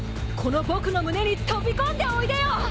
この僕の胸に飛び込んでおいでよ！